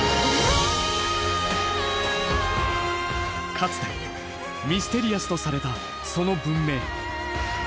かつてミステリアスとされたその文明。